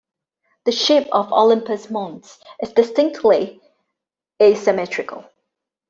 The shape of Olympus Mons is distinctly asymmetrical.